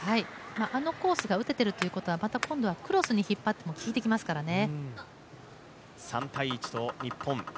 あのコースが打てているということは今度はクロスに引っ張っていっても効いてきますからね。